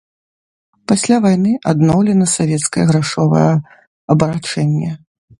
Пасля вайны адноўлена савецкае грашовае абарачэнне.